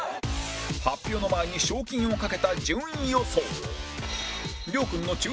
発表の前に賞金を懸けた順位予想